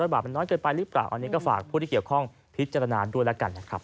บาทมันน้อยเกินไปหรือเปล่าอันนี้ก็ฝากผู้ที่เกี่ยวข้องพิจารณาด้วยแล้วกันนะครับ